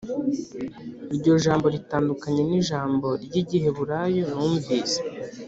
Iryo jambo ritandukanye n ijambo ry Igiheburayo numvise